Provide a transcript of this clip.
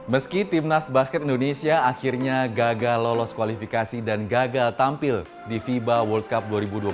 meski timnas basket indonesia akhirnya gagal lolos kualifikasi dan gagal tampil di fiba world cup dua ribu dua puluh tiga